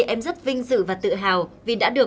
em rất vinh dự và tự hào